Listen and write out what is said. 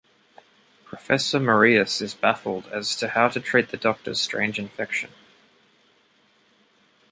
Professor Marius is baffled as to how to treat the Doctor's strange infection.